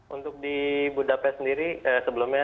untuk di budapest sendiri sebelumnya